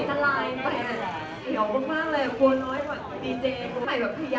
เจ้าใจหัวผมให้มามากและให้มีนายใครจะอยู่ด้วย